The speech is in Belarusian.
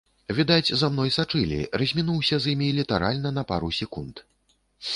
Відаць, за мной сачылі, размінуўся з імі літаральна на пару секунд.